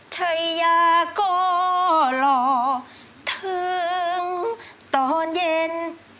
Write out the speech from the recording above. ใช่ยาก็รอถึงตอนเย็น